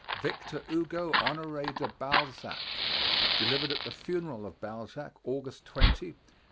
VICTOR HUGO HONORE DE BALZAC Delivered at the Funeral of Balzac, August 20, 1850.